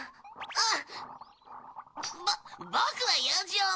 うん！